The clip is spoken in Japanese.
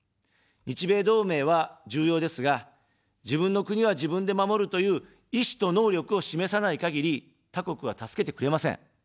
日米同盟は重要ですが、自分の国は自分で守るという意志と能力を示さないかぎり、他国は助けてくれません。